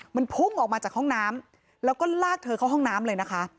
มันพุ่งออกมาจากห้องน้ำแล้วก็ลากเธอเข้าห้องน้ำเลยนะคะ